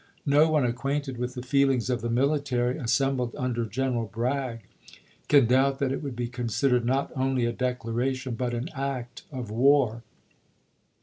No one acquainted with the feelings of the military assembled under General Bragg can doubt that it would be considered not only a declaration but an act of war.